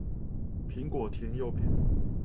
蘋果甜又便宜